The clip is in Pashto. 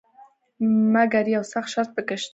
مګر یو سخت شرط پکې شته.